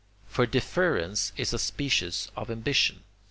For deference is a species of ambition.